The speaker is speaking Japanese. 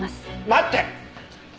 待って！